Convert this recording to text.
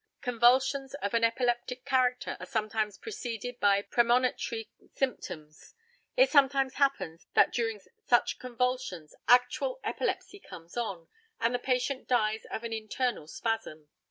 Convulsions of an epileptic character are sometimes preceded by premonitory symptoms. It sometimes happens that during such convulsions actual epilepsy comes on, and the patient dies of an internal spasm.